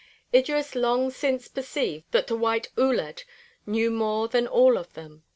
Idris long since perceived that the white "uled" knew more than all of them.